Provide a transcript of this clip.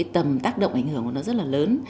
tầm tác động ảnh hưởng của nó rất lớn